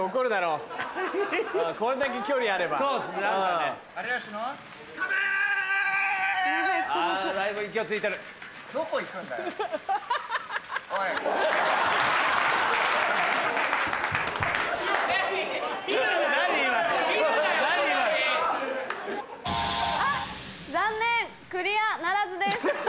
今の・あっ残念クリアならずです。